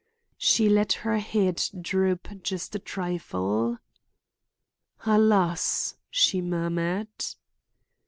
She let her head droop just a trifle. "Alas!" she murmured.